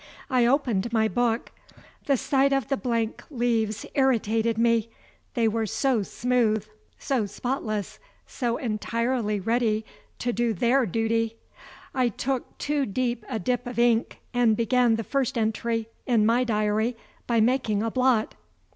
I opened my book. The sight of the blank leaves irritated me; they were so smooth, so spotless, so entirely ready to do their duty. I took too deep a dip of ink, and began the first entry in my diary by making a blot.